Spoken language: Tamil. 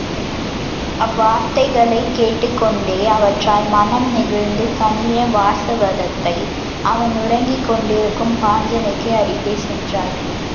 அவ் வார்த்தைகளைக் கேட்டுக்கொண்டே அவற்றால் மனம் நெகிழ்ந்து கனிய, வாசவதத்தை அவன் உறங்கிக் கொண்டிருக்கும் பஞ்சணைக்கு அருகே சென்றாள்.